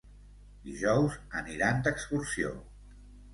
Dijous aniran d'excursió.